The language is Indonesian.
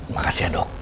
makasih ya dok